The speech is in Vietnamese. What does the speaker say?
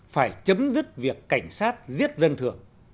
phải chấm dứt việc cảnh sát giết dân thường